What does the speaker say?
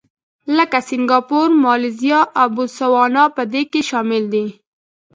لکه سینګاپور، مالیزیا او بوتسوانا په دې کې شامل دي.